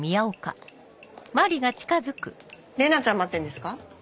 玲奈ちゃん待ってるんですか？